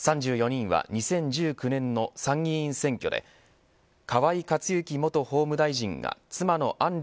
３４人は２０１９年の参議院選挙で河井克行元法務大臣が妻の案